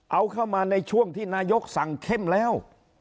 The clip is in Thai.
เอาเข้ามาในช่วงที่นายกสั่งเข้มแล้ว